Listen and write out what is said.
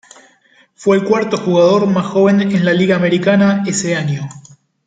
Fue el cuarto jugador más joven en la Liga Americana ese año.